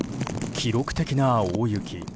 記録的な大雪。